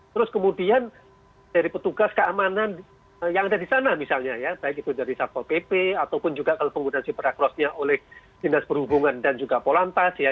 terus kemudian dari petugas keamanan yang ada di sana misalnya ya baik itu dari sapo pp ataupun juga penggunaan siperakrosnya oleh dinas perhubungan dan juga polantas ya